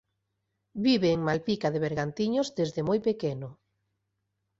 Vive en Malpica de Bergantiños desde moi pequeno.